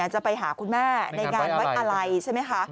จะไปหาคุณแม่ในงานไว้อะไรใช่ไหมคะ